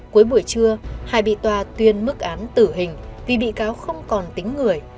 cuối buổi trưa hai bị tòa tuyên mức án tử hình vì bị cáo không còn tính người